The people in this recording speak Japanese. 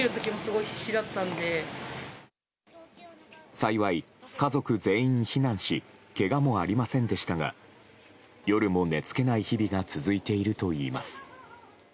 幸い、家族全員避難しけがもありませんでしたが夜も寝付けない日々が続いているといいます。